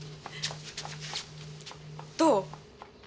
どう？